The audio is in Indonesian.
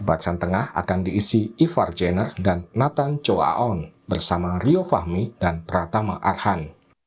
bacan tengah akan diisi ivar jenner dan nathan choaon bersama rio fahmi dan pratama arhan